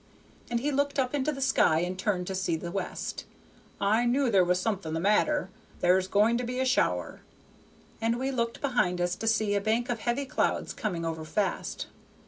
And he looked up into the sky and turned to see the west. "I knew there was something the matter; there's going to be a shower." And we looked behind us to see a bank of heavy clouds coming over fast.